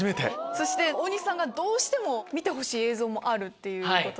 大西さんがどうしても見てほしい映像もあるっていうことで。